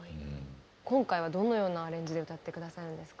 今回はどのようなアレンジで歌って下さるんですか？